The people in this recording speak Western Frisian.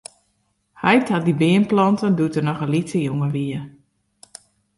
Heit hat dy beam plante doe't er noch in lytse jonge wie.